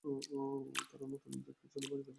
তারা নতুন অধ্যক্ষের জন্য বাড়ি ফিরে চায়।